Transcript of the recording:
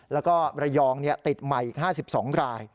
แล้วก็ระยองติดใหม่อีก๕๒ราย